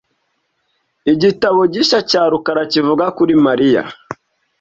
Igitabo gishya cya rukara kivuga kuri Mariya .